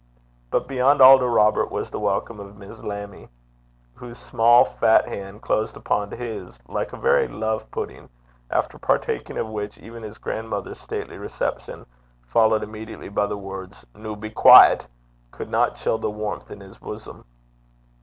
But beyond all to Robert was the welcome of Miss Lammie, whose small fat hand closed upon his like a very love pudding, after partaking of which even his grandmother's stately reception, followed immediately by the words 'Noo be dooce,' could not chill the warmth in his bosom.